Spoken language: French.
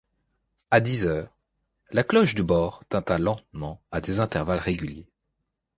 À dix heures, la cloche du bord tinta lentement et à intervalles réguliers.